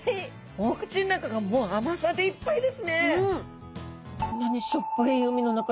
お口の中がもう甘さでいっぱいですね。